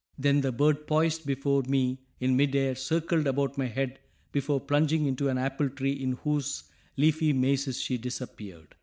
Then the bird poised before me in mid air, circled about my head before plunging into an apple tree in whose leafy mazes she disappeared.